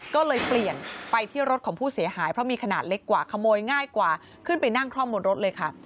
ก็เลยเปลี่ยนไปที่รถของผู้เสียหายเพราะมีขนาดเล็กกว่าขโมยง่ายกว่าขึ้นไปนั่งคล่อมบนรถเลยค่ะ